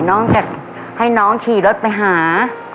น้องจะให้น้องขี่รถไปหา